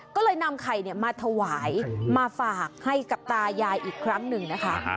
ก็เลยนำไข่มาถวายมาฝากให้กับตายายอีกครั้งหนึ่งนะคะ